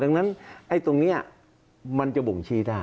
ดังนั้นตรงนี้มันจะบ่งชี้ได้